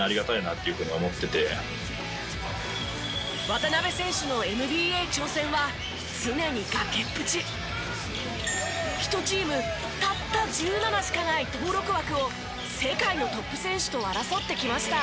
渡邊選手のＮＢＡ挑戦は常に１チームたった１７しかない登録枠を世界のトップ選手と争ってきました。